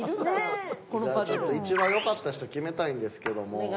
じゃあちょっと一番良かった人決めたいんですけども。